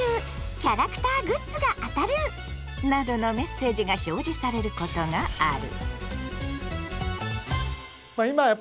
キャラクターグッズが当たる！」などのメッセージが表示されることがある。